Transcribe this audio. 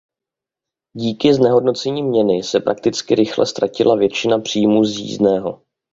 Díky znehodnocení měny se prakticky rychle ztratila většina příjmů z jízdného.